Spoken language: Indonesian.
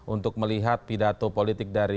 untuk melihat pidato politik